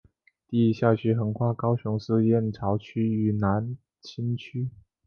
第一校区横跨高雄市燕巢区与楠梓区。